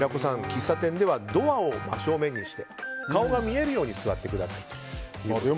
喫茶店ではドアを真正面にして顔が見えるように座ってくださいということで。